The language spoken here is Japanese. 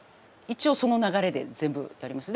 一応その流れで全部やります。